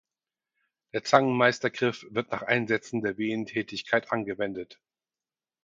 Der Zangemeister-Griff wird nach Einsetzen der Wehentätigkeit angewendet.